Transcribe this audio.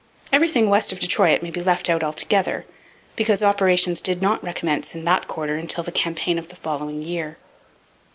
Everything west of Detroit may be left out altogether, because operations did not recommence in that quarter until the campaign of the following year.